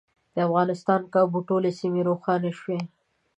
د افغانستان کابو ټولې سیمې روښانه شوې.